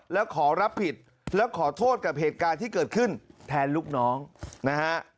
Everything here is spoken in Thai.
แล้วขอรับผิดแล้วขอโทษกับเหตุการณ์ที่เกิดขึ้นแทนลูกน้องนะฮะ